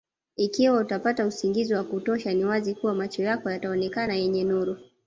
Ikiwa utapata usingizi wa kutosha ni wazi kuwa macho yako yataonekana yenye nuru